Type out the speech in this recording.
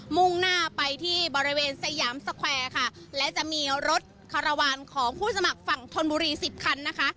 มุ่งหน้าไปที่บริเวณสยามสแควร์ค่ะและจะมีรถคารวาลของผู้สมัครฝั่งธนบุรีสิบคันนะคะ